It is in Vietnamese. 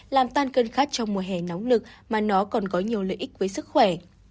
làm tan cân khát trong mùa hè nóng lực mà nó còn có nhiều lợi ích với sức khỏe